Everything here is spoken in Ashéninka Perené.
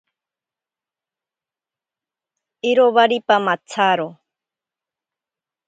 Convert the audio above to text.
Iro waripa matsaro.